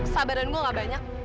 sabaran gue gak banyak